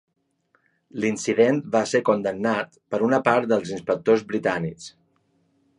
L'incident va ser condemnat per una part dels inspectors britànics.